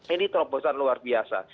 ini terobosan luar biasa